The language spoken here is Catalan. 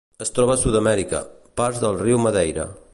Es troba a Sud-amèrica: parts del riu Madeira.